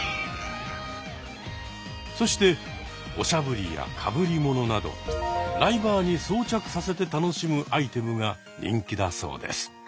そしておしゃぶりやかぶり物などライバーに装着させて楽しむアイテムが人気だそうです。